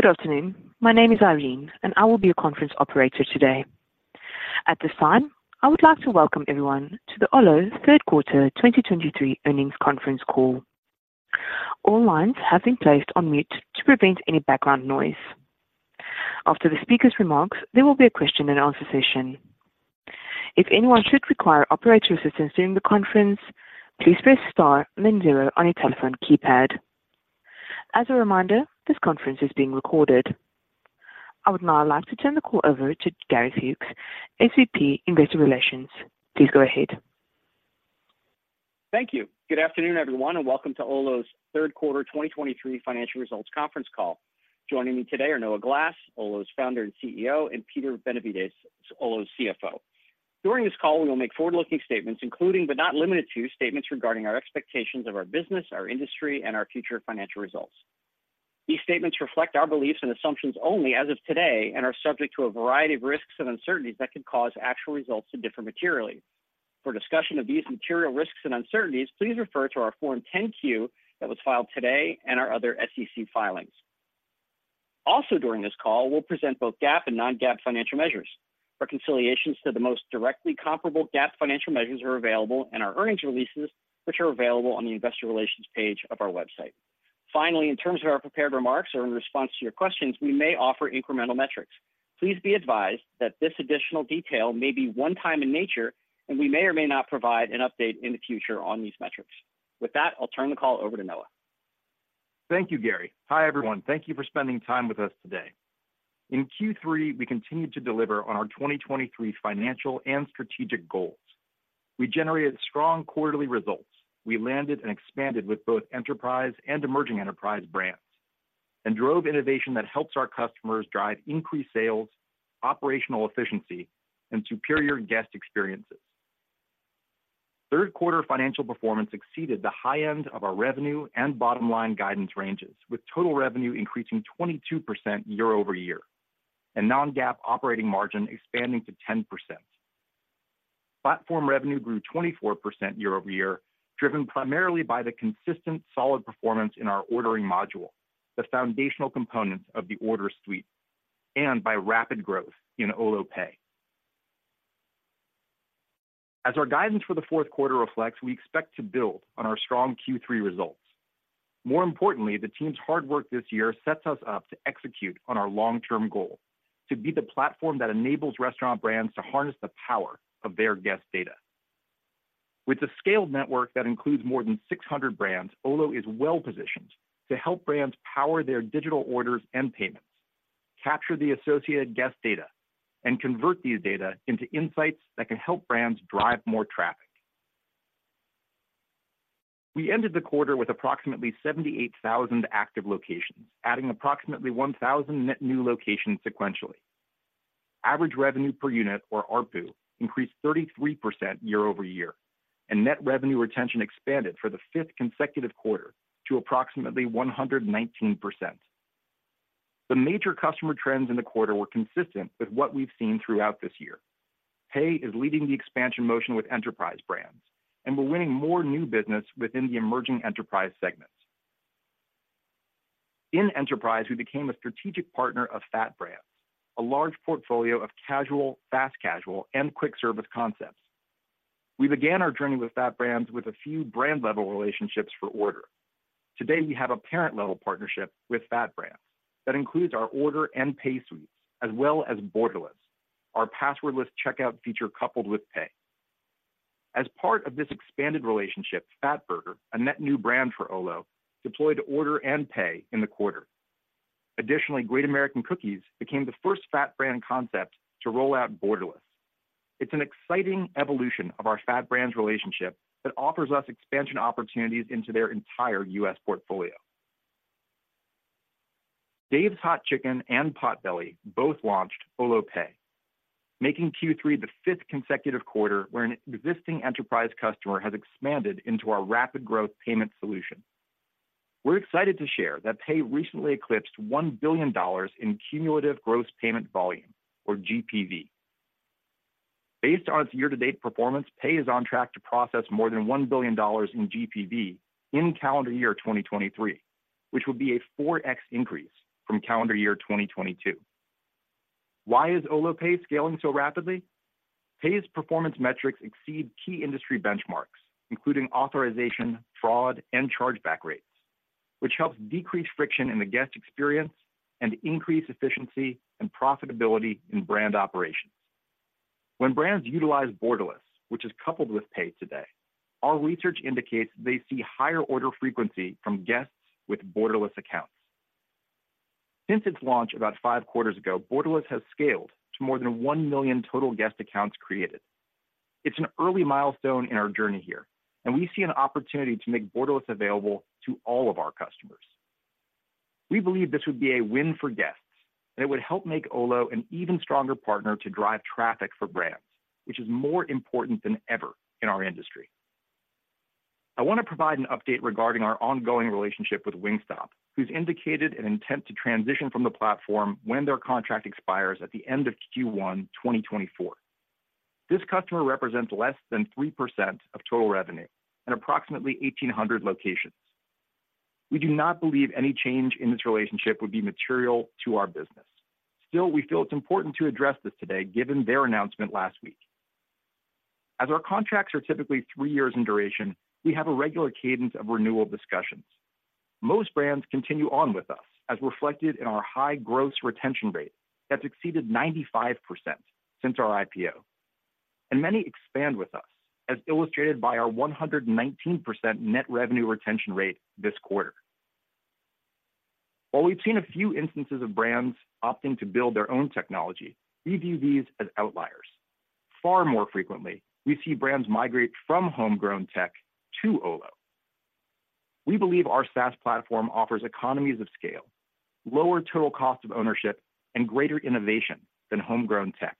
Good afternoon. My name is Irene, and I will be your conference operator today. At this time, I would like to welcome everyone to the Olo third quarter 2023 earnings conference call. All lines have been placed on mute to prevent any background noise. After the speaker's remarks, there will be a question and answer session. If anyone should require operator assistance during the conference, please press star then zero on your telephone keypad. As a reminder, this conference is being recorded. I would now like to turn the call over to Gary Fuges, SVP, Investor Relations. Please go ahead. Thank you. Good afternoon, everyone, and welcome to Olo's third quarter 2023 financial results conference call. Joining me today are Noah Glass, Olo's founder and CEO, and Peter Benevides, Olo's CFO. During this call, we will make forward-looking statements, including but not limited to, statements regarding our expectations of our business, our industry, and our future financial results. These statements reflect our beliefs and assumptions only as of today and are subject to a variety of risks and uncertainties that could cause actual results to differ materially. For discussion of these material risks and uncertainties, please refer to our Form 10-Q that was filed today and our other SEC filings. Also during this call, we'll present both GAAP and non-GAAP financial measures. Reconciliations to the most directly comparable GAAP financial measures are available in our earnings releases, which are available on the investor relations page of our website. Finally, in terms of our prepared remarks or in response to your questions, we may offer incremental metrics. Please be advised that this additional detail may be one time in nature, and we may or may not provide an update in the future on these metrics. With that, I'll turn the call over to Noah. Thank you, Gary. Hi, everyone. Thank you for spending time with us today. In Q3, we continued to deliver on our 2023 financial and strategic goals. We generated strong quarterly results. We landed and expanded with both enterprise and emerging enterprise brands and drove innovation that helps our customers drive increased sales, operational efficiency, and superior guest experiences. Third quarter financial performance exceeded the high end of our revenue and bottom line guidance ranges, with total revenue increasing 22% year-over-year, and non-GAAP operating margin expanding to 10%. Platform revenue grew 24% year-over-year, driven primarily by the consistent solid performance in our Ordering module, the foundational components of the order suite, and by rapid growth in Olo Pay. As our guidance for the fourth quarter reflects, we expect to build on our strong Q3 results. More importantly, the team's hard work this year sets us up to execute on our long-term goal: to be the platform that enables restaurant brands to harness the power of their guest data. With a scaled network that includes more than 600 brands, Olo is well positioned to help brands power their digital orders and payments, capture the associated guest data, and convert these data into insights that can help brands drive more traffic. We ended the quarter with approximately 78,000 active locations, adding approximately 1,000 net new locations sequentially. Average revenue per unit, or ARPU, increased 33% year-over-year, and net revenue retention expanded for the fifth consecutive quarter to approximately 119%. The major customer trends in the quarter were consistent with what we've seen throughout this year. Pay is leading the expansion motion with enterprise brands, and we're winning more new business within the emerging enterprise segments. In Enterprise, we became a strategic partner of FAT Brands, a large portfolio of casual, fast casual, and quick-service concepts. We began our journey with FAT Brands with a few brand-level relationships for Order. Today, we have a parent-level partnership with FAT Brands that includes our Order and Pay suites, as well as Borderless, our password-less checkout feature, coupled with Pay. As part of this expanded relationship, Fatburger, a net new brand for Olo, deployed Order and Pay in the quarter. Additionally, Great American Cookies became the first FAT Brands concept to roll out Borderless. It's an exciting evolution of our FAT Brands relationship that offers us expansion opportunities into their entire U.S. portfolio. Dave's Hot Chicken and Potbelly both launched Olo Pay, making Q3 the fifth consecutive quarter where an existing enterprise customer has expanded into our rapid growth payment solution. We're excited to share that Pay recently eclipsed $1 billion in cumulative gross payment volume, or GPV. Based on its year-to-date performance, Pay is on track to process more than $1 billion in GPV in calendar year 2023, which would be a 4x increase from calendar year 2022. Why is Olo Pay scaling so rapidly? Pay's performance metrics exceed key industry benchmarks, including authorization, fraud, and chargeback rates, which helps decrease friction in the guest experience and increase efficiency and profitability in brand operations. When brands utilize Borderless, which is coupled with Pay today, our research indicates they see higher order frequency from guests with Borderless accounts. Since its launch about 5 quarters ago, Borderless has scaled to more than 1 million total guest accounts created. It's an early milestone in our journey here, and we see an opportunity to make Borderless available to all of our customers. We believe this would be a win for guests, and it would help make Olo an even stronger partner to drive traffic for brands, which is more important than ever in our industry. I want to provide an update regarding our ongoing relationship with Wingstop, who's indicated an intent to transition from the platform when their contract expires at the end of Q1 2024. This customer represents less than 3% of total revenue and approximately 1,800 locations. We do not believe any change in this relationship would be material to our business. Still, we feel it's important to address this today, given their announcement last week. As our contracts are typically three years in duration, we have a regular cadence of renewal discussions. Most brands continue on with us, as reflected in our high gross retention rate that's exceeded 95% since our IPO. Many expand with us, as illustrated by our 119% net revenue retention rate this quarter. While we've seen a few instances of brands opting to build their own technology, we view these as outliers. Far more frequently, we see brands migrate from homegrown tech to Olo. We believe our SaaS platform offers economies of scale, lower total cost of ownership, and greater innovation than homegrown tech.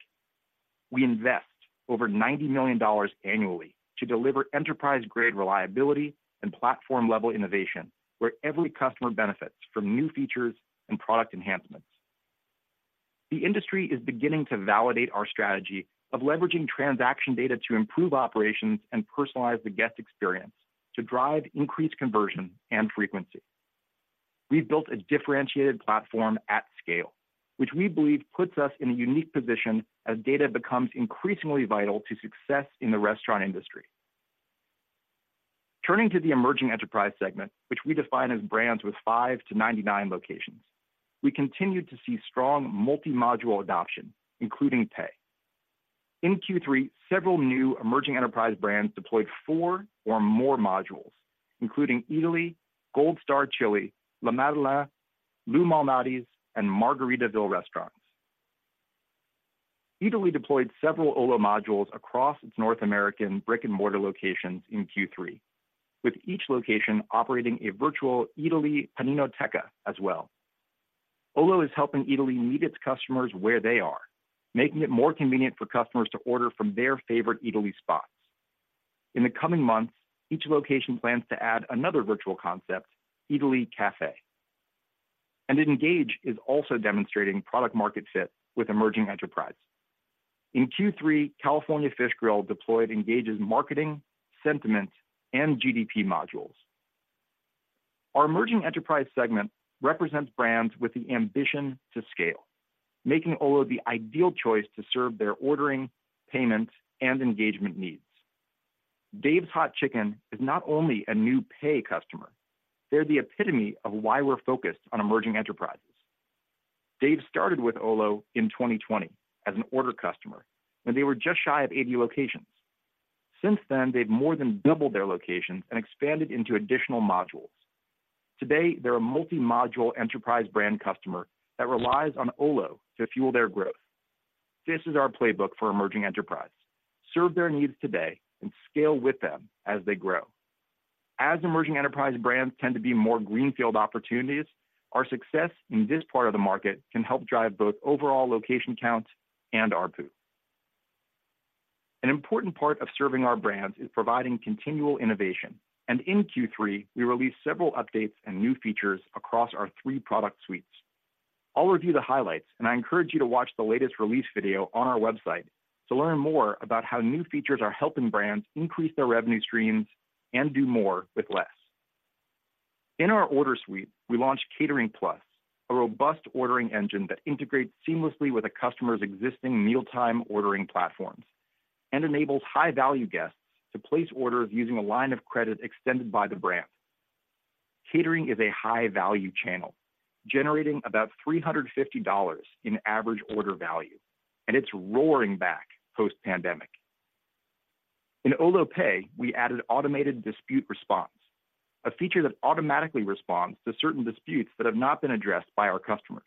We invest over $90 million annually to deliver enterprise-grade reliability and platform-level innovation, where every customer benefits from new features and product enhancements. The industry is beginning to validate our strategy of leveraging transaction data to improve operations and personalize the guest experience to drive increased conversion and frequency. We've built a differentiated platform at scale, which we believe puts us in a unique position as data becomes increasingly vital to success in the restaurant industry. Turning to the emerging enterprise segment, which we define as brands with five to 99 locations, we continued to see strong multi-module adoption, including Pay. In Q3, several new emerging enterprise brands deployed 4 or more modules, including Eataly, Gold Star Chili, La Madeleine, Lou Malnati's, and Margaritaville Restaurants. Eataly deployed several Olo modules across its North American brick-and-mortar locations in Q3, with each location operating a virtual Eataly Paninoteca as well. Olo is helping Eataly meet its customers where they are, making it more convenient for customers to order from their favorite Eataly spots. In the coming months, each location plans to add another virtual concept, Eataly Cafe. Engage is also demonstrating product market fit with emerging enterprise. In Q3, California Fish Grill deployed Engage's Marketing, Sentiment, and GDP modules. Our emerging enterprise segment represents brands with the ambition to scale, making Olo the ideal choice to serve their ordering, payments, and engagement needs. Dave's Hot Chicken is not only a new Pay customer, they're the epitome of why we're focused on emerging enterprises. Dave started with Olo in 2020 as an order customer, when they were just shy of 80 locations. Since then, they've more than doubled their locations and expanded into additional modules. Today, they're a multi-module enterprise brand customer that relies on Olo to fuel their growth. This is our playbook for emerging enterprise: serve their needs today and scale with them as they grow. As emerging enterprise brands tend to be more greenfield opportunities, our success in this part of the market can help drive both overall location count and ARPU. An important part of serving our brands is providing continual innovation, and in Q3, we released several updates and new features across our three product suites. I'll review the highlights, and I encourage you to watch the latest release video on our website to learn more about how new features are helping brands increase their revenue streams and do more with less. In our Order suite, we launched Catering+, a robust ordering engine that integrates seamlessly with a customer's existing mealtime ordering platforms and enables high-value guests to place orders using a line of credit extended by the brand. Catering is a high-value channel, generating about $350 in average order value, and it's roaring back post-pandemic. In Olo Pay, we added automated dispute response, a feature that automatically responds to certain disputes that have not been addressed by our customers.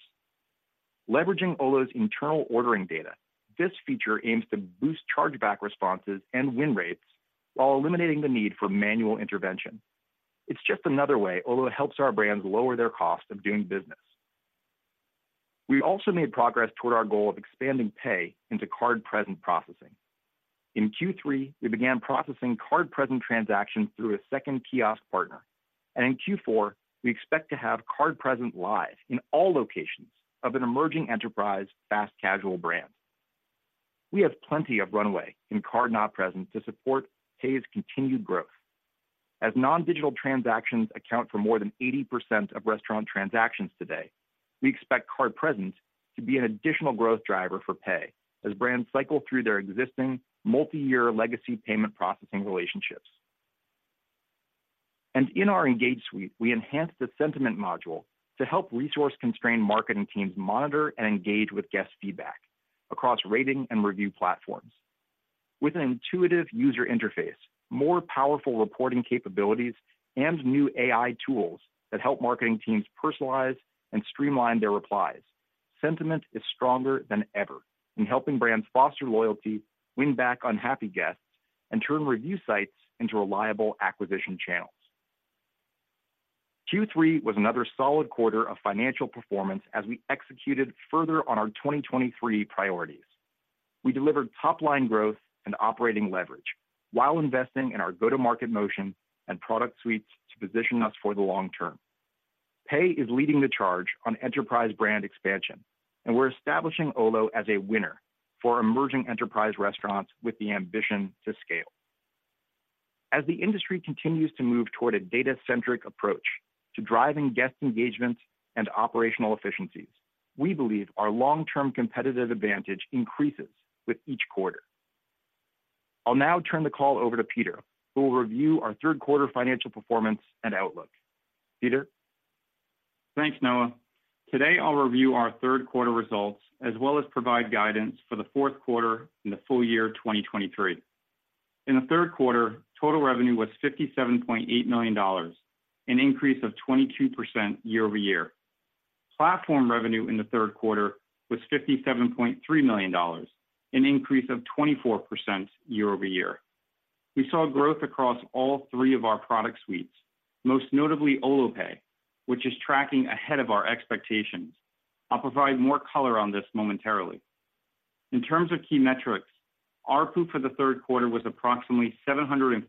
Leveraging Olo's internal ordering data, this feature aims to boost chargeback responses and win rates while eliminating the need for manual intervention. It's just another way Olo helps our brands lower their cost of doing business. We also made progress toward our goal of expanding Pay into card-present processing. In Q3, we began processing card-present transactions through a second kiosk partner, and in Q4, we expect to have card-present live in all locations of an emerging enterprise fast-casual brand. We have plenty of runway in card-not-present to support Pay's continued growth. As non-digital transactions account for more than 80% of restaurant transactions today, we expect card-present to be an additional growth driver for Pay as brands cycle through their existing multi-year legacy payment processing relationships. And in our Engage suite, we enhanced the Sentiment module to help resource-constrained marketing teams monitor and engage with guest feedback across rating and review platforms. With an intuitive user interface, more powerful reporting capabilities, and new AI tools that help marketing teams personalize and streamline their replies, Sentiment is stronger than ever in helping brands foster loyalty, win back unhappy guests, and turn review sites into reliable acquisition channels. Q3 was another solid quarter of financial performance as we executed further on our 2023 priorities. We delivered top-line growth and operating leverage while investing in our go-to-market motion and product suites to position us for the long term.... Pay is leading the charge on enterprise brand expansion, and we're establishing Olo as a winner for emerging enterprise restaurants with the ambition to scale. As the industry continues to move toward a data-centric approach to driving guest engagement and operational efficiencies, we believe our long-term competitive advantage increases with each quarter. I'll now turn the call over to Peter, who will review our third quarter financial performance and outlook. Peter? Thanks, Noah. Today, I'll review our third quarter results, as well as provide guidance for the fourth quarter and the full year 2023. In the third quarter, total revenue was $57.8 million, an increase of 22% year-over-year. Platform revenue in the third quarter was $57.3 million, an increase of 24% year-over-year. We saw growth across all three of our product suites, most notably Olo Pay, which is tracking ahead of our expectations. I'll provide more color on this momentarily. In terms of key metrics, ARPU for the third quarter was approximately $742,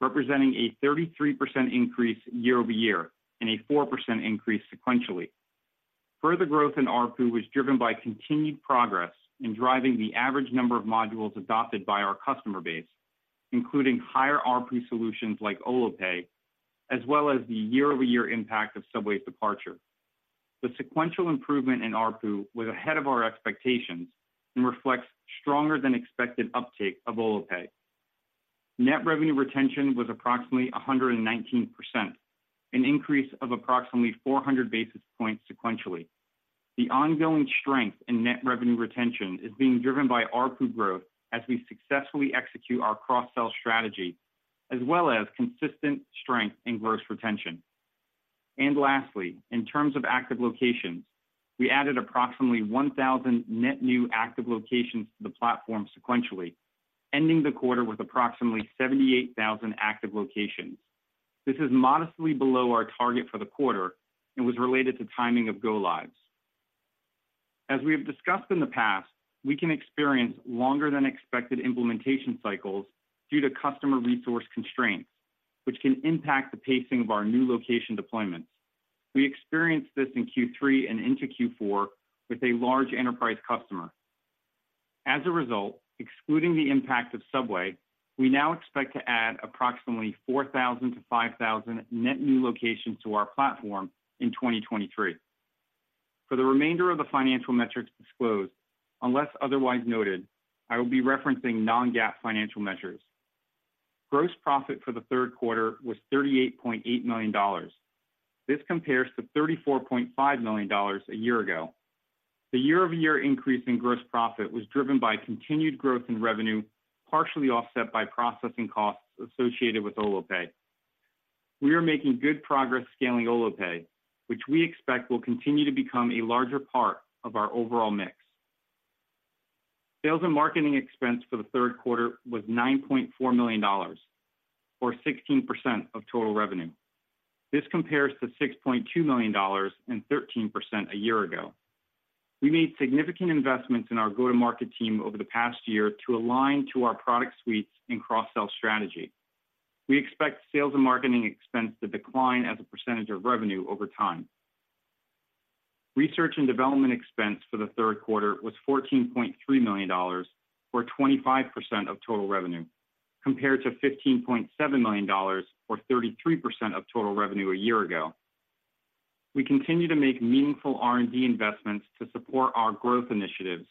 representing a 33% increase year-over-year and a 4% increase sequentially. Further growth in ARPU was driven by continued progress in driving the average number of modules adopted by our customer base, including higher ARPU solutions like Olo Pay, as well as the year-over-year impact of Subway's departure. The sequential improvement in ARPU was ahead of our expectations and reflects stronger than expected uptake of Olo Pay. Net revenue retention was approximately 119%, an increase of approximately 400 basis points sequentially. The ongoing strength in net revenue retention is being driven by ARPU growth as we successfully execute our cross-sell strategy, as well as consistent strength in gross retention. And lastly, in terms of active locations, we added approximately 1,000 net new active locations to the platform sequentially, ending the quarter with approximately 78,000 active locations. This is modestly below our target for the quarter and was related to timing of go lives. As we have discussed in the past, we can experience longer than expected implementation cycles due to customer resource constraints, which can impact the pacing of our new location deployments. We experienced this in Q3 and into Q4 with a large enterprise customer. As a result, excluding the impact of Subway, we now expect to add approximately 4,000-5,000 net new locations to our platform in 2023. For the remainder of the financial metrics disclosed, unless otherwise noted, I will be referencing non-GAAP financial measures. Gross profit for the third quarter was $38.8 million. This compares to $34.5 million a year ago. The year-over-year increase in gross profit was driven by continued growth in revenue, partially offset by processing costs associated with Olo Pay. We are making good progress scaling Olo Pay, which we expect will continue to become a larger part of our overall mix. Sales and marketing expense for the third quarter was $9.4 million, or 16% of total revenue. This compares to $6.2 million and 13% a year ago. We made significant investments in our go-to-market team over the past year to align to our product suites and cross-sell strategy. We expect sales and marketing expense to decline as a percentage of revenue over time. Research and development expense for the third quarter was $14.3 million, or 25% of total revenue, compared to $15.7 million, or 33% of total revenue a year ago. We continue to make meaningful R&D investments to support our growth initiatives,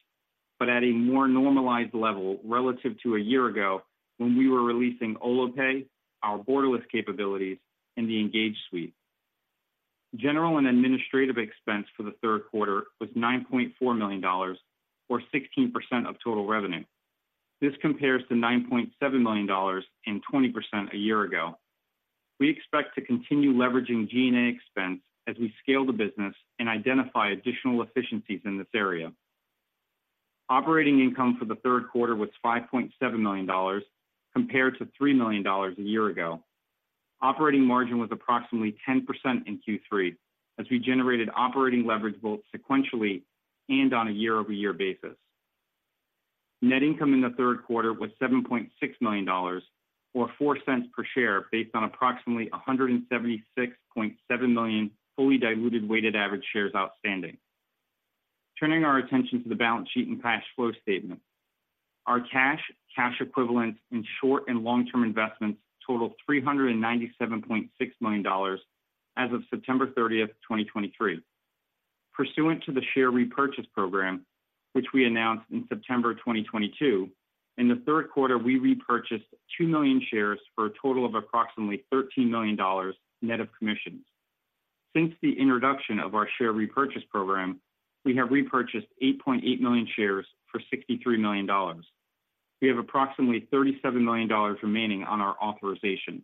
but at a more normalized level relative to a year ago when we were releasing Olo Pay, our Borderless capabilities, and the Engage suite. General and administrative expense for the third quarter was $9.4 million, or 16% of total revenue. This compares to $9.7 million and 20% a year ago. We expect to continue leveraging G&A expense as we scale the business and identify additional efficiencies in this area. Operating income for the third quarter was $5.7 million, compared to $3 million a year ago. Operating margin was approximately 10% in Q3, as we generated operating leverage both sequentially and on a year-over-year basis. Net income in the third quarter was $7.6 million, or $0.04 per share, based on approximately 176.7 million fully diluted weighted average shares outstanding. Turning our attention to the balance sheet and cash flow statement. Our cash, cash equivalents, and short- and long-term investments totaled $397.6 million as of September 30, 2023. Pursuant to the share repurchase program, which we announced in September 2022, in the third quarter, we repurchased 2 million shares for a total of approximately $13 million, net of commissions. Since the introduction of our share repurchase program, we have repurchased 8.8 million shares for $63 million. We have approximately $37 million remaining on our authorization.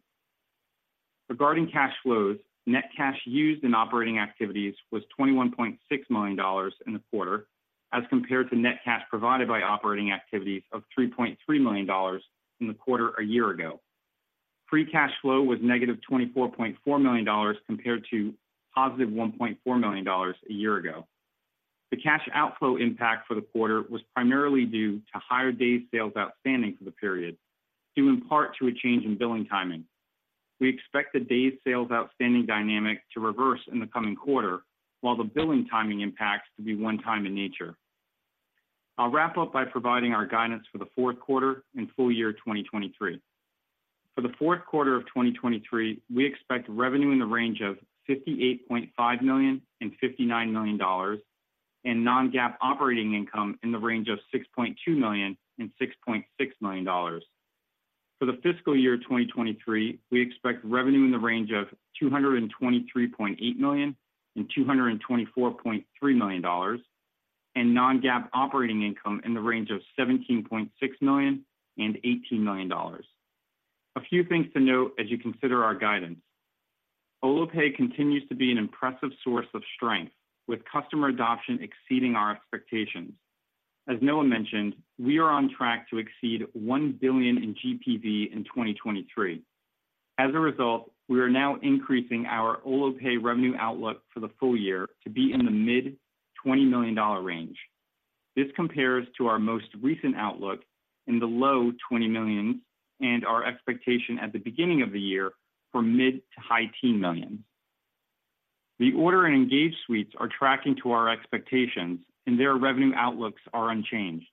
Regarding cash flows, net cash used in operating activities was $21.6 million in the quarter, as compared to net cash provided by operating activities of $3.3 million in the quarter a year ago. Free cash flow was negative $24.4 million, compared to positive $1.4 million a year ago.... The cash outflow impact for the quarter was primarily due to higher days sales outstanding for the period, due in part to a change in billing timing. We expect the days sales outstanding dynamic to reverse in the coming quarter, while the billing timing impacts to be one time in nature. I'll wrap up by providing our guidance for the fourth quarter and full year 2023. For the fourth quarter of 2023, we expect revenue in the range of $58.5 million-$59 million, and non-GAAP operating income in the range of $6.2 million-$6.6 million. For the fiscal year 2023, we expect revenue in the range of $223.8 million-$224.3 million, and non-GAAP operating income in the range of $17.6 million-$18 million. A few things to note as you consider our guidance. Olo Pay continues to be an impressive source of strength, with customer adoption exceeding our expectations. As Noah mentioned, we are on track to exceed $1 billion in GPV in 2023. As a result, we are now increasing our Olo Pay revenue outlook for the full year to be in the mid-$20 million range. This compares to our most recent outlook in the low $20 million, and our expectation at the beginning of the year for mid- to high-teens $10 million. The Order and Engage suites are tracking to our expectations, and their revenue outlooks are unchanged.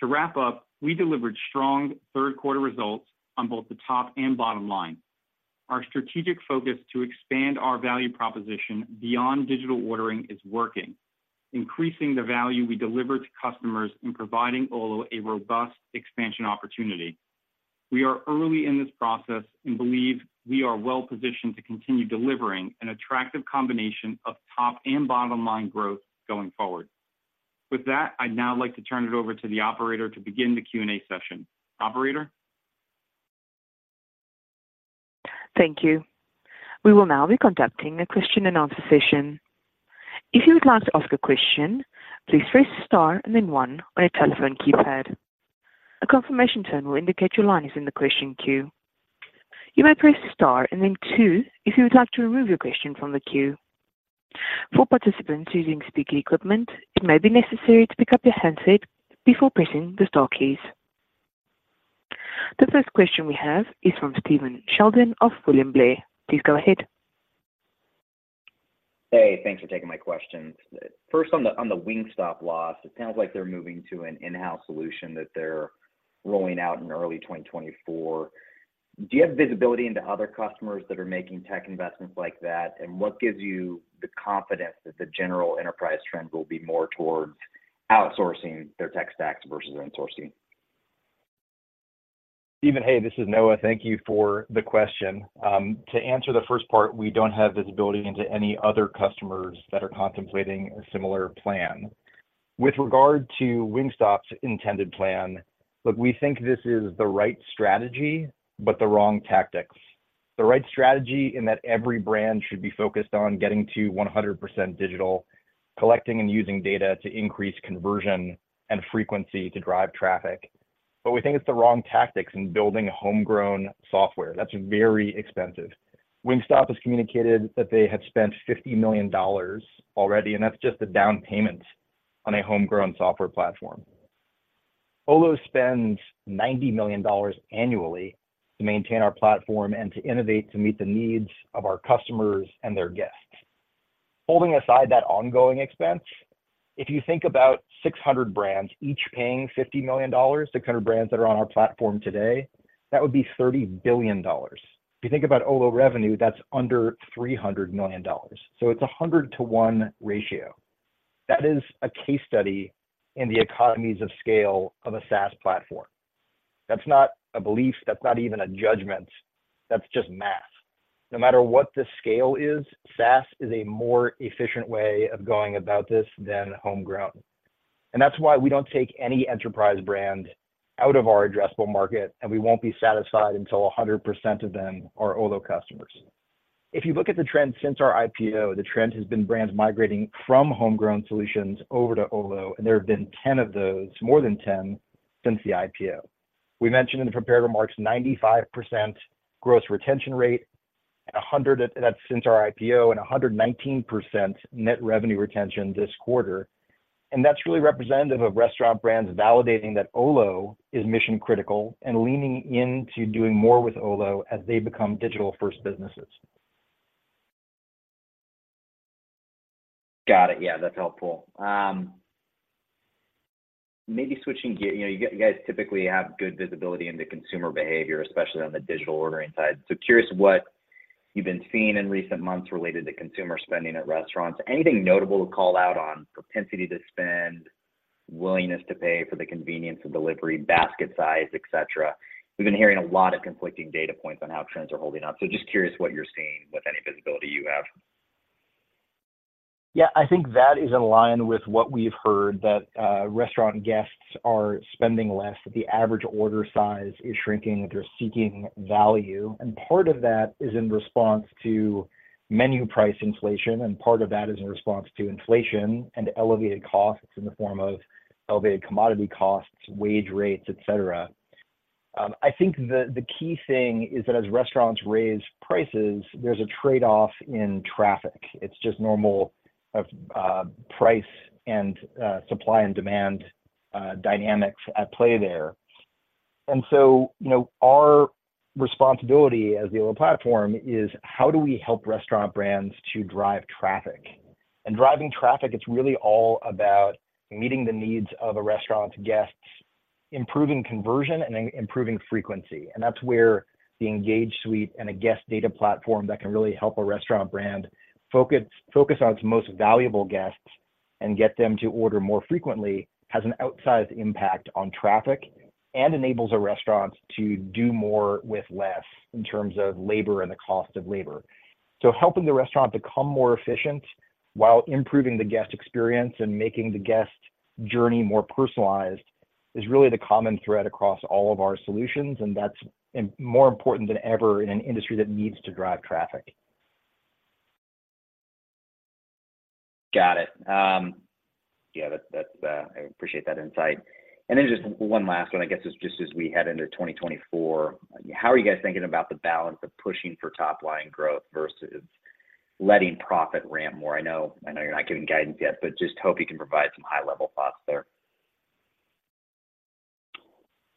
To wrap up, we delivered strong third quarter results on both the top and bottom line. Our strategic focus to expand our value proposition beyond digital ordering is working, increasing the value we deliver to customers and providing Olo a robust expansion opportunity. We are early in this process and believe we are well positioned to continue delivering an attractive combination of top and bottom line growth going forward. With that, I'd now like to turn it over to the operator to begin the Q&A session. Operator? Thank you. We will now be conducting a question and answer session. If you would like to ask a question, please press star and then one on your telephone keypad. A confirmation tone will indicate your line is in the question queue. You may press star and then two if you would like to remove your question from the queue. For participants using speaker equipment, it may be necessary to pick up your handset before pressing the star keys. The first question we have is from Stephen Sheldon of William Blair. Please go ahead. Hey, thanks for taking my questions. First, on the Wingstop loss, it sounds like they're moving to an in-house solution that they're rolling out in early 2024. Do you have visibility into other customers that are making tech investments like that? And what gives you the confidence that the general enterprise trend will be more towards outsourcing their tech stacks versus insourcing? Stephen, hey, this is Noah. Thank you for the question. To answer the first part, we don't have visibility into any other customers that are contemplating a similar plan. With regard to Wingstop's intended plan, look, we think this is the right strategy, but the wrong tactics. The right strategy in that every brand should be focused on getting to 100% digital, collecting and using data to increase conversion and frequency to drive traffic. But we think it's the wrong tactics in building a homegrown software. That's very expensive. Wingstop has communicated that they have spent $50 million already, and that's just a down payment on a homegrown software platform. Olo spends $90 million annually to maintain our platform and to innovate to meet the needs of our customers and their guests. Holding aside that ongoing expense, if you think about 600 brands, each paying $50 million, the kind of brands that are on our platform today, that would be $30 billion. If you think about Olo revenue, that's under $300 million, so it's a 100-to-1 ratio. That is a case study in the economies of scale of a SaaS platform. That's not a belief. That's not even a judgment. That's just math. No matter what the scale is, SaaS is a more efficient way of going about this than homegrown. And that's why we don't take any enterprise brand out of our addressable market, and we won't be satisfied until 100% of them are Olo customers. If you look at the trend since our IPO, the trend has been brands migrating from homegrown solutions over to Olo, and there have been 10 of those, more than 10, since the IPO. We mentioned in the prepared remarks, 95% gross retention rate and a 100-- that's since our IPO, and a 119% net revenue retention this quarter. That's really representative of restaurant brands validating that Olo is mission critical and leaning into doing more with Olo as they become digital-first businesses. Got it. Yeah, that's helpful. Maybe switching gear, you know, you guys typically have good visibility into consumer behavior, especially on the digital ordering side. So curious what you've been seeing in recent months related to consumer spending at restaurants. Anything notable to call out on propensity to spend, willingness to pay for the convenience of delivery, basket size, et cetera? We've been hearing a lot of conflicting data points on how trends are holding up, so just curious what you're seeing with any visibility you have. Yeah, I think that is in line with what we've heard, that restaurant guests are spending less. The average order size is shrinking. They're seeking value, and part of that is in response to menu price inflation, and part of that is in response to inflation and elevated costs in the form of elevated commodity costs, wage rates, et cetera. I think the key thing is that as restaurants raise prices, there's a trade-off in traffic. It's just normal of price and supply and demand dynamics at play there. And so, you know, our responsibility as the Olo platform is how do we help restaurant brands to drive traffic? And driving traffic, it's really all about meeting the needs of a restaurant's guests, improving conversion, and improving frequency. That's where the Engage suite and a Guest Data Platform that can really help a restaurant brand focus, focus on its most valuable guests and get them to order more frequently, has an outsized impact on traffic, and enables a restaurant to do more with less in terms of labor and the cost of labor. So helping the restaurant become more efficient while improving the guest experience and making the guest journey more personalized, is really the common thread across all of our solutions, and that's more important than ever in an industry that needs to drive traffic. Got it. Yeah, that, that's, I appreciate that insight. And then just one last one, I guess, just as we head into 2024, how are you guys thinking about the balance of pushing for top-line growth versus letting profit ramp more? I know, I know you're not giving guidance yet, but just hope you can provide some high-level thoughts there.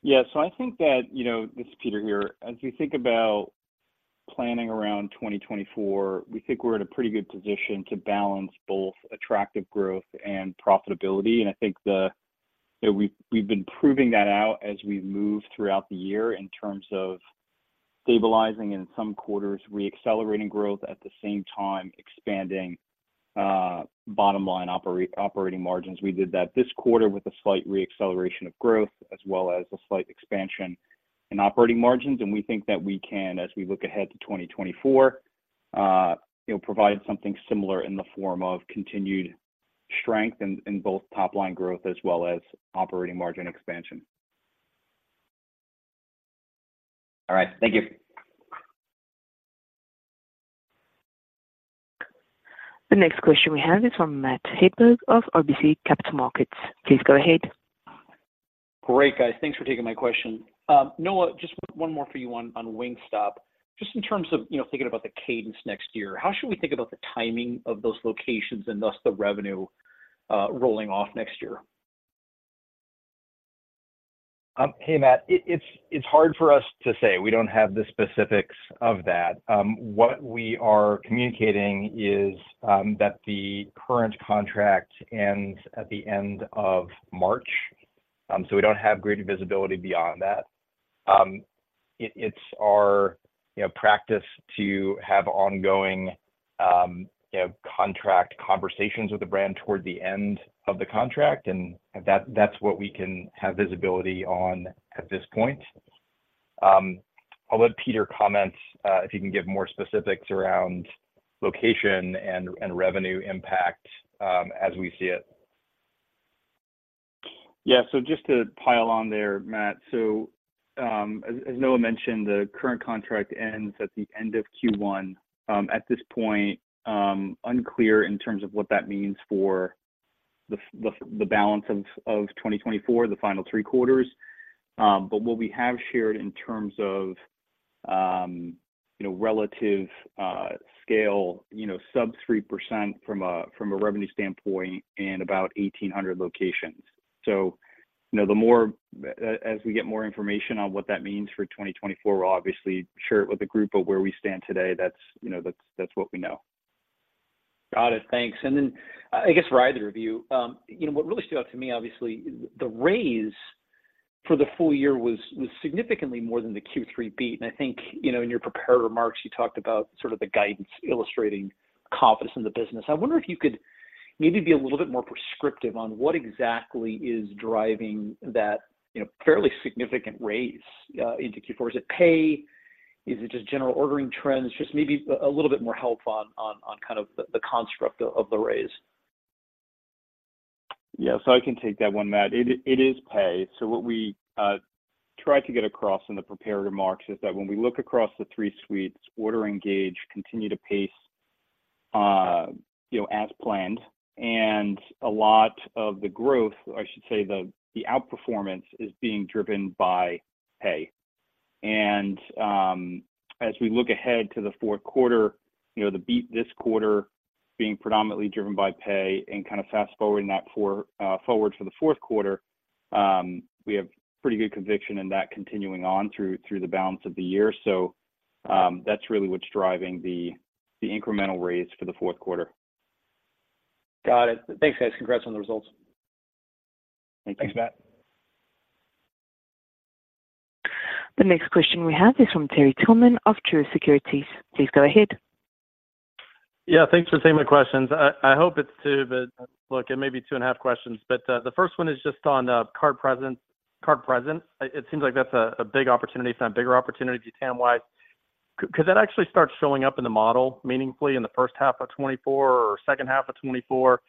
Yeah. So I think that, you know, this is Peter here. As we think about planning around 2024, we think we're in a pretty good position to balance both attractive growth and profitability. And I think that we've been proving that out as we've moved throughout the year in terms of stabilizing in some quarters, reaccelerating growth, at the same time expanding bottom line operating margins. We did that this quarter with a slight reacceleration of growth, as well as a slight expansion in operating margins, and we think that we can, as we look ahead to 2024, you know, provide something similar in the form of continued strength in both top line growth as well as operating margin expansion. All right. Thank you. The next question we have is from Matt Hedberg of RBC Capital Markets. Please go ahead. Great, guys. Thanks for taking my question. Noah, just one more for you on Wingstop. Just in terms of, you know, thinking about the cadence next year, how should we think about the timing of those locations and thus the revenue rolling off next year? Hey, Matt. It's hard for us to say. We don't have the specifics of that. What we are communicating is that the current contract ends at the end of March, so we don't have great visibility beyond that. It's our, you know, practice to have ongoing, you know, contract conversations with the brand toward the end of the contract, and that's what we can have visibility on at this point. I'll let Peter comment, if he can give more specifics around location and revenue impact, as we see it. Yeah. So just to pile on there, Matt. So, as Noah mentioned, the current contract ends at the end of Q1. At this point, unclear in terms of what that means for the balance of 2024, the final three quarters. But what we have shared in terms of, you know, relative scale, you know, sub 3% from a revenue standpoint and about 1,800 locations. So, you know, the more, as we get more information on what that means for 2024, we'll obviously share it with the group, but where we stand today, that's, you know, that's what we know. Got it. Thanks. And then, I guess for either of you, you know, what really stood out to me, obviously, the raise for the full year was significantly more than the Q3 beat. And I think, you know, in your prepared remarks, you talked about sort of the guidance illustrating confidence in the business. I wonder if you could maybe be a little bit more prescriptive on what exactly is driving that, you know, fairly significant raise into Q4. Is it pay? Is it just general ordering trends? Just maybe a little bit more help on kind of the construct of the raise. Yeah. So I can take that one, Matt. It is Pay. So what we try to get across in the prepared remarks is that when we look across the three suites, Order and Engage continue to pace, you know, as planned, and a lot of the growth, I should say, the outperformance, is being driven by Pay. And as we look ahead to the fourth quarter, you know, the beat this quarter being predominantly driven by Pay and kind of fast-forwarding that four forward for the fourth quarter, we have pretty good conviction in that continuing on through the balance of the year. So that's really what's driving the incremental raise for the fourth quarter. Got it. Thanks, guys. Congrats on the results. Thank you. Thanks, Matt. The next question we have is from Terry Tillman of Truist Securities. Please go ahead. Yeah, thanks for taking my questions. I hope it's two, but look, it may be two and a half questions. But the first one is just on card-present. It seems like that's a big opportunity for a bigger opportunity TAM-wise. Could that actually start showing up in the model meaningfully in the first half of 2024 or second half of 2024?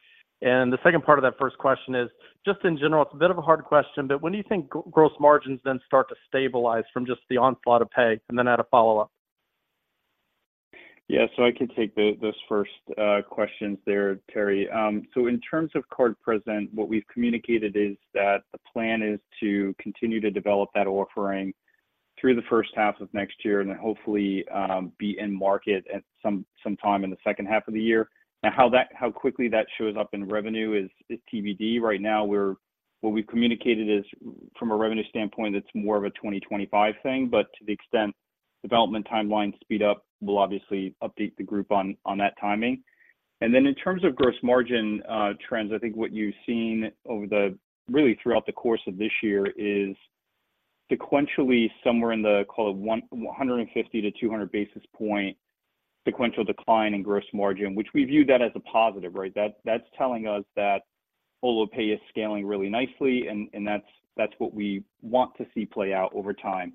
And the second part of that first question is, just in general, it's a bit of a hard question, but when do you think gross margins then start to stabilize from just the onslaught of pay? And then add a follow-up. Yeah, so I can take the, those first, questions there, Terry. So in terms of card-present, what we've communicated is that the plan is to continue to develop that offering through the first half of next year, and then hopefully, be in market sometime in the second half of the year. Now, how quickly that shows up in revenue is TBD. Right now, what we've communicated is from a revenue standpoint, it's more of a 2025 thing, but to the extent development timelines speed up, we'll obviously update the group on that timing. And then in terms of gross margin trends, I think what you've seen over the, really throughout the course of this year, is sequentially somewhere in the call it 150-200 basis points sequential decline in gross margin, which we view that as a positive, right? That's telling us that Olo Pay is scaling really nicely, and that's what we want to see play out over time.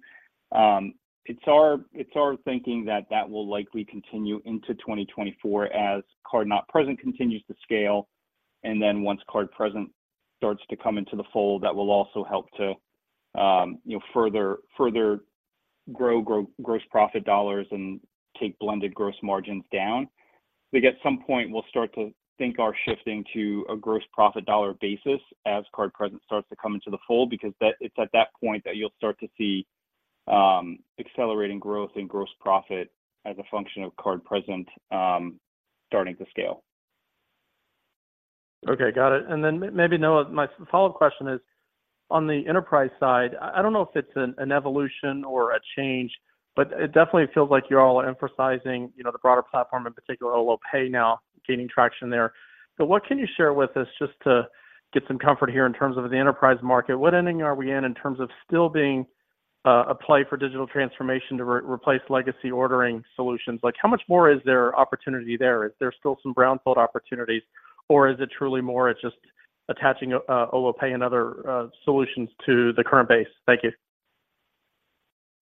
It's our thinking that that will likely continue into 2024 as card-not-present continues to scale, and then once card-present starts to come into the fold, that will also help to, you know, further grow gross profit dollars and take blended gross margins down. I think at some point, we'll start to think our shifting to a gross profit dollar basis as card-present starts to come into the fold, because that- it's at that point that you'll start to see, accelerating growth in gross profit as a function of card-present, starting to scale. Okay, got it. And then maybe, Noah, my follow-up question is, on the enterprise side, I don't know if it's an evolution or a change, but it definitely feels like you're all emphasizing, you know, the broader platform, in particular, Olo Pay now gaining traction there. So what can you share with us just to get some comfort here in terms of the enterprise market? What inning are we in, in terms of still being a play for digital transformation to replace legacy ordering solutions? Like, how much more is there opportunity there? Is there still some brownfield opportunities, or is it truly more it's just attaching Olo Pay and other solutions to the current base? Thank you.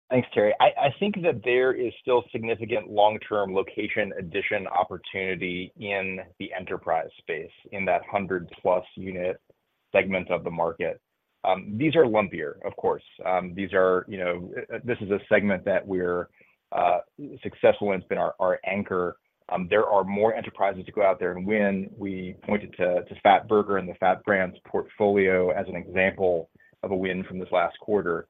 Thanks, Terry. I think that there is still significant long-term location addition opportunity in the enterprise space, in that hundred-plus unit segment of the market. These are lumpier, of course. These are, you know. This is a segment that we're successful and it's been our anchor. There are more enterprises to go out there and win. We pointed to Fatburger and the FAT Brands portfolio as an example of a win from this last quarter.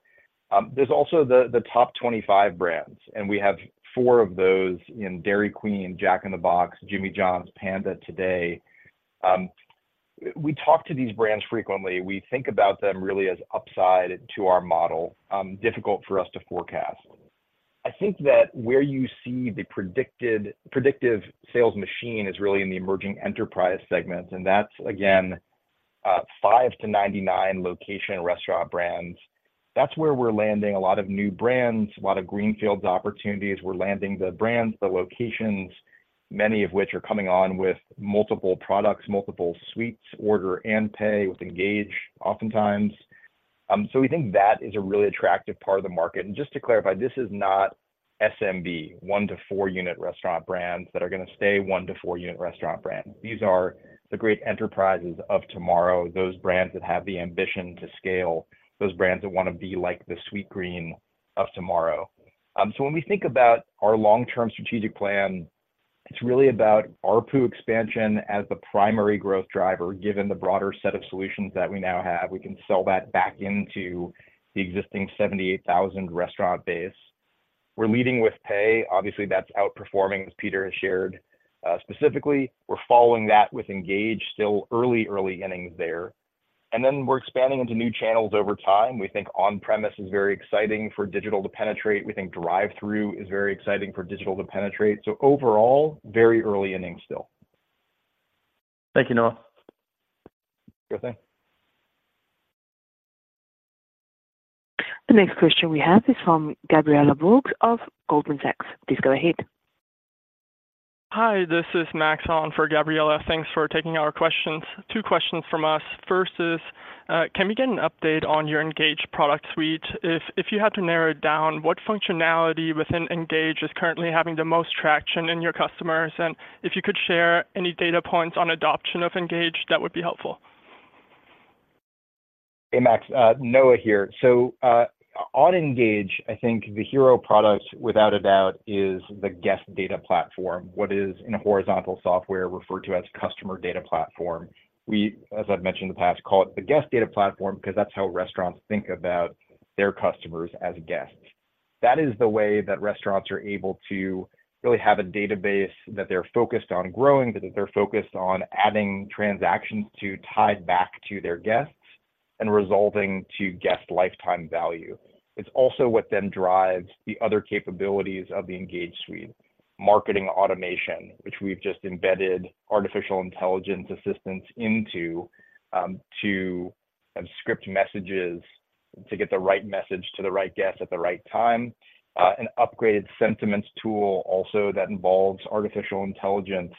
There's also the top 25 brands, and we have four of those in Dairy Queen, Jack in the Box, Jimmy John's, Panda today. We talk to these brands frequently. We think about them really as upside to our model, difficult for us to forecast. I think that where you see the predictive sales machine is really in the emerging enterprise segments, and that's again, 5-99 location restaurant brands. That's where we're landing a lot of new brands, a lot of greenfields opportunities. We're landing the brands, the locations, many of which are coming on with multiple products, multiple suites, Order and Pay with Engage, oftentimes. So we think that is a really attractive part of the market. And just to clarify, this is not SMB, 1-4 unit restaurant brands that are gonna stay 1-4 unit restaurant brands. These are the great enterprises of tomorrow, those brands that have the ambition to scale, those brands that wanna be like the Sweetgreen of tomorrow. So when we think about our long-term strategic plan, it's really about ARPU expansion as the primary growth driver. Given the broader set of solutions that we now have, we can sell that back into the existing 78,000 restaurant base. We're leading with pay. Obviously, that's outperforming, as Peter has shared. Specifically, we're following that with Engage, still early, early innings there. And then we're expanding into new channels over time. We think on-premise is very exciting for digital to penetrate. We think drive-through is very exciting for digital to penetrate. So overall, very early innings still. Thank you, Noah. Sure thing. The next question we have is from Gabriela Borges of Goldman Sachs. Please go ahead. Hi, this is Max Gamperl on for Gabriela Borges. Thanks for taking our questions. Two questions from us. First is, can we get an update on your Engage product suite? If you had to narrow it down, what functionality within Engage is currently having the most traction in your customers? And if you could share any data points on adoption of Engage, that would be helpful. Hey, Max, Noah here. So, on Engage, I think the hero product, without a doubt, is the Guest Data Platform, what is in horizontal software referred to as customer data platform. We, as I've mentioned in the past, call it the Guest Data Platform because that's how restaurants think about their customers as guests. That is the way that restaurants are able to really have a database that they're focused on growing, that they're focused on adding transactions to tie back to their guests and resolving to guest lifetime value. It's also what then drives the other capabilities of the Engage suite. Marketing automation, which we've just embedded artificial intelligence assistance into, to have script messages to get the right message to the right guest at the right time. An upgraded Sentiment tool also that involves artificial intelligence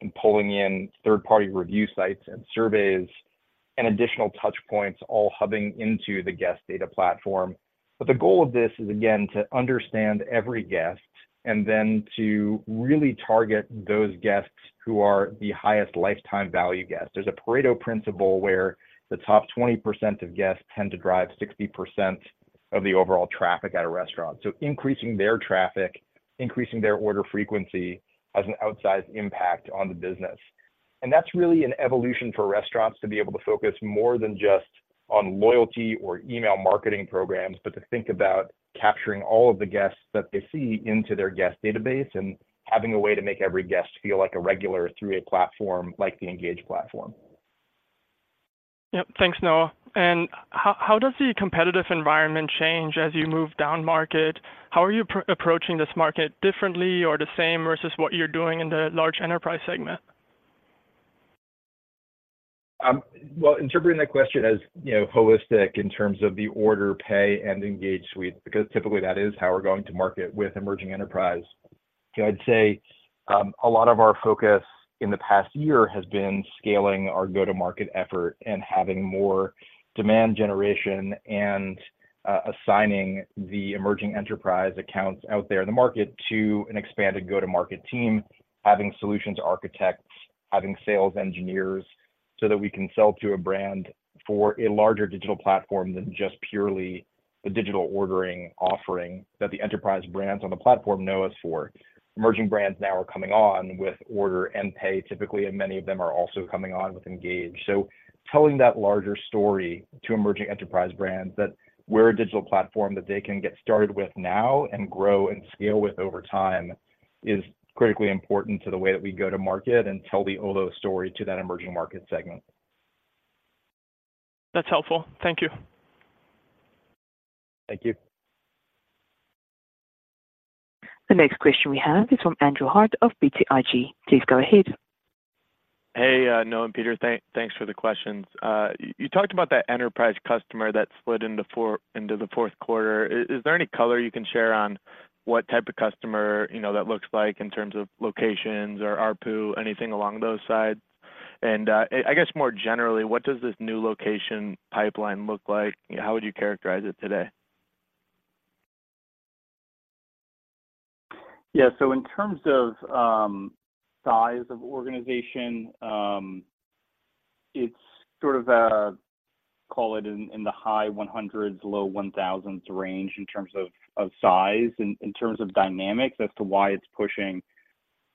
and pulling in third-party review sites and surveys and additional touch points, all hubbing into the Guest Data Platform. But the goal of this is, again, to understand every guest and then to really target those guests who are the highest lifetime value guests. There's a Pareto principle where the top 20% of guests tend to drive 60% of the overall traffic at a restaurant. So increasing their traffic, increasing their order frequency, has an outsized impact on the business. And that's really an evolution for restaurants to be able to focus more than just on loyalty or email marketing programs, but to think about capturing all of the guests that they see into their guest database, and having a way to make every guest feel like a regular through a platform like the Engage platform. Yep. Thanks, Noah. And how does the competitive environment change as you move down market? How are you approaching this market differently or the same versus what you're doing in the large enterprise segment? Well, interpreting that question as, you know, holistic in terms of the Order, Pay, and Engage suite, because typically that is how we're going to market with emerging enterprise. So I'd say a lot of our focus in the past year has been scaling our go-to-market effort and having more demand generation, and assigning the emerging enterprise accounts out there in the market to an expanded go-to-market team. Having solutions architects, having sales engineers, so that we can sell to a brand for a larger digital platform than just purely the digital ordering offering that the enterprise brands on the platform know us for. Emerging brands now are coming on with Order and Pay, typically, and many of them are also coming on with Engage. Telling that larger story to emerging enterprise brands, that we're a digital platform that they can get started with now and grow and scale with over time, is critically important to the way that we go to market and tell the Olo story to that emerging market segment. That's helpful. Thank you. Thank you. The next question we have is from Andrew Harte of BTIG. Please go ahead. Hey, Noah and Peter. Thanks for the questions. You talked about that enterprise customer that slid into the fourth quarter. Is there any color you can share on what type of customer, you know, that looks like in terms of locations or ARPU, anything along those sides? And, I guess more generally, what does this new location pipeline look like? How would you characterize it today? Yeah. So in terms of size of organization, it's sort of a, call it in the high 100s, low 1,000s range in terms of size and in terms of dynamics as to why it's pushing.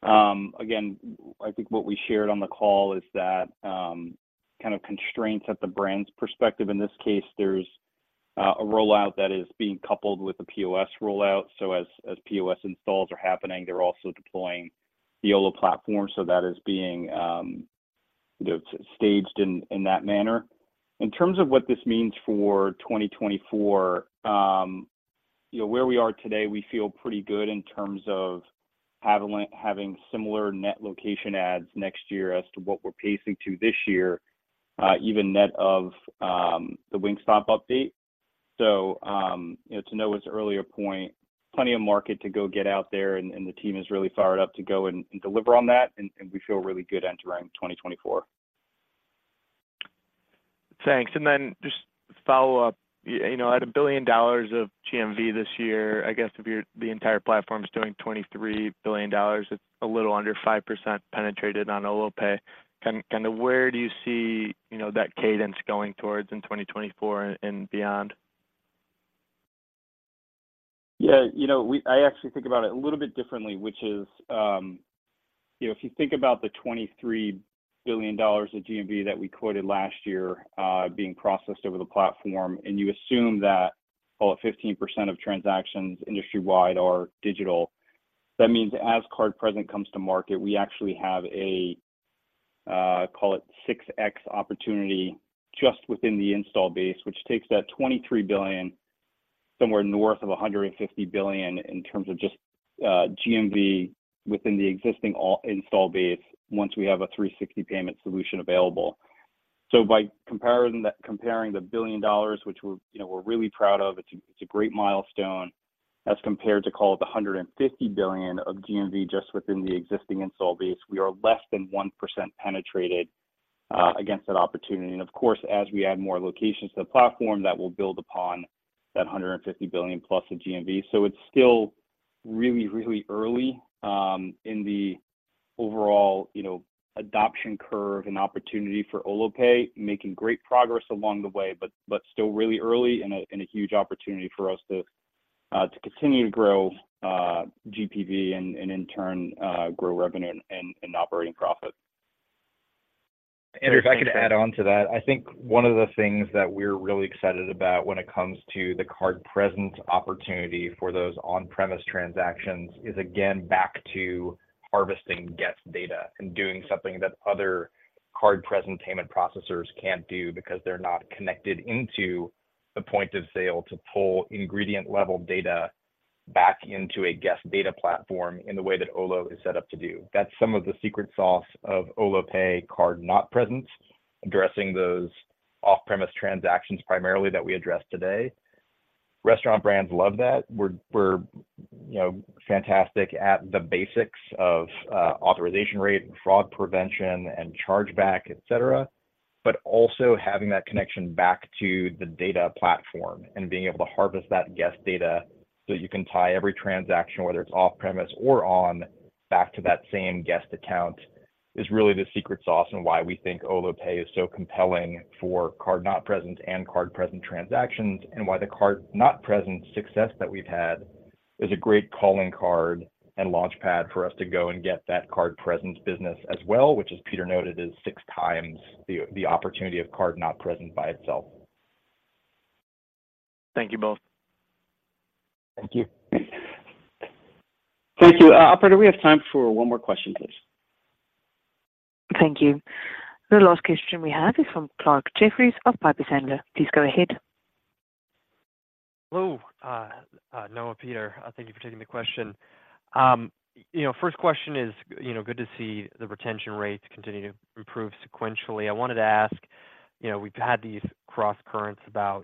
Again, I think what we shared on the call is that kind of constraints at the brand's perspective. In this case, there's a rollout that is being coupled with a POS rollout. So as POS installs are happening, they're also deploying the Olo platform, so that is being, you know, staged in that manner. In terms of what this means for 2024, you know, where we are today, we feel pretty good in terms of having similar net location adds next year as to what we're pacing to this year, even net of the Wingstop update. So, you know, to Noah's earlier point, plenty of market to go get out there, and the team is really fired up to go and deliver on that, and we feel really good entering 2024. Thanks. And then just follow up, you know, at $1 billion of GMV this year, I guess if the entire platform is doing $23 billion, it's a little under 5% penetrated on Olo Pay. Kind of where do you see, you know, that cadence going towards in 2024 and beyond? Yeah, you know, I actually think about it a little bit differently, which is, you know, if you think about the $23 billion of GMV that we quoted last year, being processed over the platform, and you assume that, call it 15% of transactions industry-wide are digital, that means as card present comes to market, we actually have a, call it 6x opportunity just within the install base, which takes that $23 billion, somewhere north of $150 billion in terms of just, GMV within the existing Olo install base, once we have a 360 payment solution available. So by comparison, comparing the $1 billion, which we're, you know, we're really proud of, it's a, it's a great milestone, as compared to call it the $150 billion of GMV just within the existing install base, we are less than 1% penetrated against that opportunity. And of course, as we add more locations to the platform, that will build upon that $150 billion+ of GMV. So it's still really, really early in the overall, you know, adoption curve and opportunity for Olo Pay. Making great progress along the way, but, but still really early and a, and a huge opportunity for us to continue to grow GPV and, and in turn, grow revenue and, and operating profit. And if I could add on to that, I think one of the things that we're really excited about when it comes to the card-present opportunity for those on-premise transactions is, again, back to harvesting guest data and doing something that other card-present payment processors can't do, because they're not connected into the point-of-sale to pull ingredient-level data back into a Guest Data Platform in the way that Olo is set up to do. That's some of the secret sauce of Olo Pay card-not-present, addressing those off-premise transactions, primarily that we addressed today. Restaurant brands love that. We're, you know, fantastic at the basics of authorization rate and fraud prevention and chargeback, et cetera, but also having that connection back to the data platform and being able to harvest that guest data so you can tie every transaction, whether it's off-premise or on, back to that same guest account.... is really the secret sauce and why we think Olo Pay is so compelling for card-not-present and card-present transactions, and why the card-not-present success that we've had is a great calling card and launchpad for us to go and get that card-present business as well, which, as Peter noted, is six times the opportunity of card-not-present by itself. Thank you both. Thank you. Thank you. Operator, do we have time for one more question, please? Thank you. The last question we have is from Clarke Jeffries of Piper Sandler. Please go ahead. Hello, Noah, Peter. Thank you for taking the question. You know, first question is, you know, good to see the retention rates continue to improve sequentially. I wanted to ask, you know, we've had these crosscurrents about,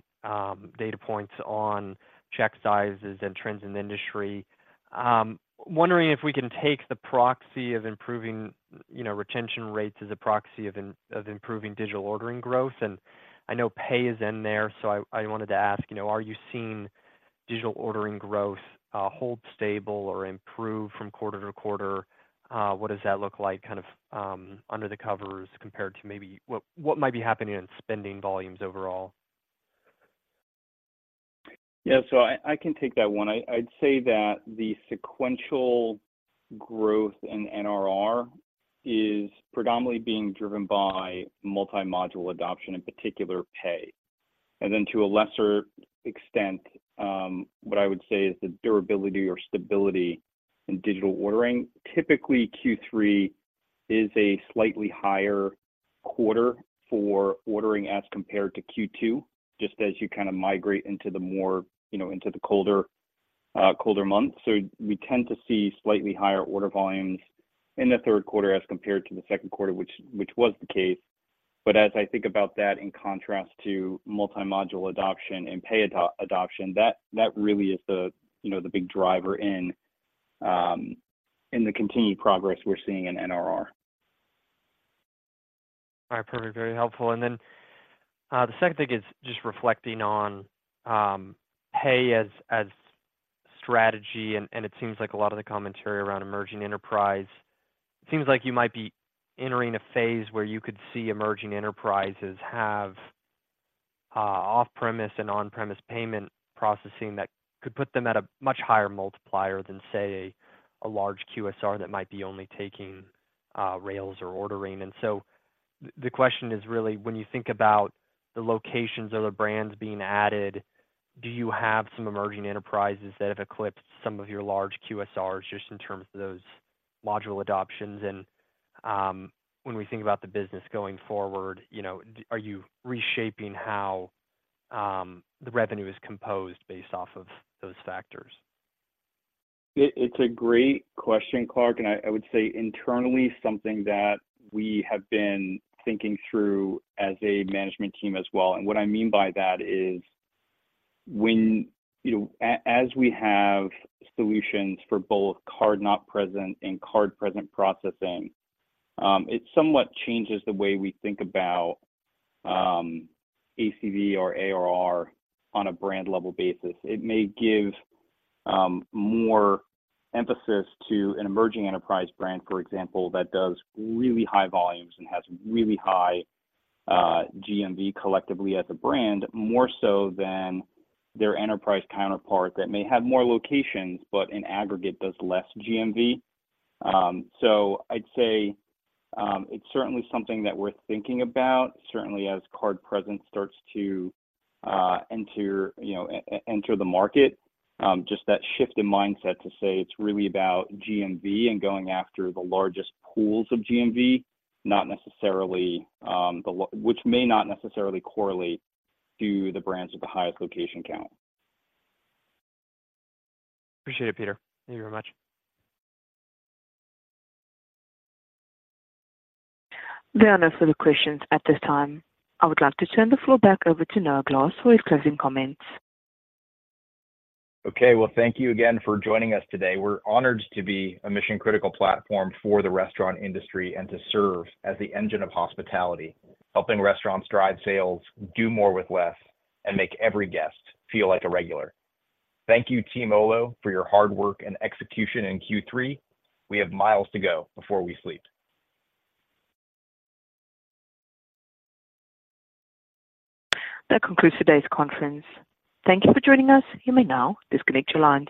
data points on check sizes and trends in the industry. Wondering if we can take the proxy of improving, you know, retention rates as a proxy of improving digital ordering growth. And I know pay is in there, so I wanted to ask, you know, are you seeing digital ordering growth, hold stable or improve from quarter to quarter? What does that look like kind of, under the covers compared to maybe what might be happening in spending volumes overall? Yeah, so I, I can take that one. I'd say that the sequential growth in NRR is predominantly being driven by multi-module adoption, in particular, Pay. And then, to a lesser extent, what I would say is the durability or stability in digital ordering. Typically, Q3 is a slightly higher quarter for ordering as compared to Q2, just as you kind of migrate into the more, you know, into the colder, colder months. So we tend to see slightly higher order volumes in the third quarter as compared to the second quarter, which, which was the case. But as I think about that in contrast to multi-module adoption and Pay adoption, that, that really is the, you know, the big driver in, in the continued progress we're seeing in NRR. All right. Perfect. Very helpful. And then the second thing is just reflecting on Pay as a strategy, and it seems like a lot of the commentary around emerging enterprise. It seems like you might be entering a phase where you could see emerging enterprises have off-premise and on-premise payment processing that could put them at a much higher multiplier than, say, a large QSR that might be only taking Rails or Ordering. And so the question is really, when you think about the locations of the brands being added, do you have some emerging enterprises that have eclipsed some of your large QSRs, just in terms of those module adoptions? And when we think about the business going forward, you know, are you reshaping how the revenue is composed based off of those factors? It's a great question, Clarke, and I would say internally, something that we have been thinking through as a management team as well. And what I mean by that is when, you know, as we have solutions for both card-not-present and card-present processing, it somewhat changes the way we think about, ACV or ARR on a brand-level basis. It may give, more emphasis to an emerging enterprise brand, for example, that does really high volumes and has really high, GMV collectively as a brand, more so than their enterprise counterpart that may have more locations, but in aggregate, does less GMV. So I'd say, it's certainly something that we're thinking about, certainly as card present starts to, enter, you know, enter the market. Just that shift in mindset to say it's really about GMV and going after the largest pools of GMV, not necessarily, which may not necessarily correlate to the brands with the highest location count. Appreciate it, Peter. Thank you very much. There are no further questions at this time. I would like to turn the floor back over to Noah Glass for his closing comments. Okay. Well, thank you again for joining us today. We're honored to be a mission-critical platform for the restaurant industry and to serve as the engine of hospitality, helping restaurants drive sales, do more with less, and make every guest feel like a regular. Thank you, Team Olo, for your hard work and execution in Q3. We have miles to go before we sleep. That concludes today's conference. Thank you for joining us. You may now disconnect your lines.